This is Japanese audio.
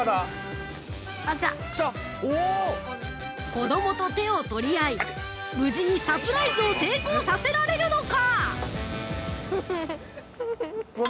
◆子供と手を取り合い、無事にサプライズを成功させられるのか！？